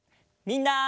みんな。